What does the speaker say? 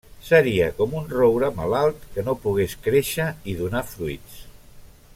Seria com un roure malalt que no pogués créixer i donar fruits.